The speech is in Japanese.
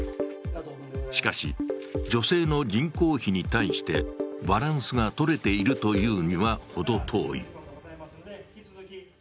しかし女性の人口比に対してバランスが取れているというには程遠い。